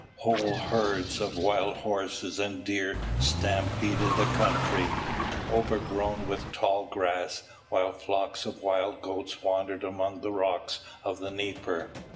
Whole herds of wild horses and deer stampeded the country, overgrown with tall grass, while flocks of wild goats wandered among the rocks of the Dnieper.